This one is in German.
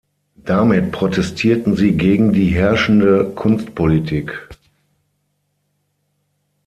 Damit protestierten sie gegen die herrschende Kunstpolitik.